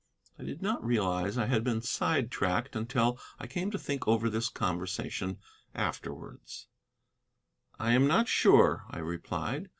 I did not realize I had been side tracked until I came to think over this conversation afterwards. "I am not sure," I replied.